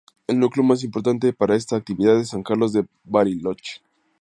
El núcleo más importante para esta actividad es San Carlos de Bariloche.